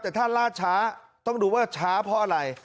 แต่ถ้าล่าช้าต้องดูว่าช้าเพราะอะไร